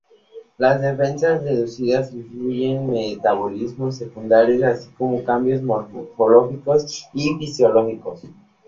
Las defensas inducidas incluyen metabolitos secundarios, así como cambios morfológicos y fisiológicos.